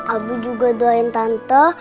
abi juga doain tante